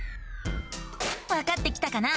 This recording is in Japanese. わかってきたかな？